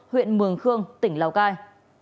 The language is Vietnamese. huyện mường khương tỉnh lào cai